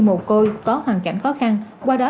mồ côi có hoàn cảnh khó khăn qua đó